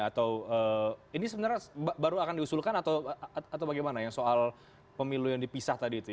atau ini sebenarnya baru akan diusulkan atau bagaimana ya soal pemilu yang dipisah tadi itu